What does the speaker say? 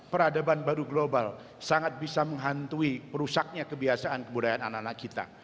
peradaban baru global sangat bisa menghantui perusaknya kebiasaan kebudayaan anak anak kita